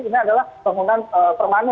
ini adalah penggunaan permanen ya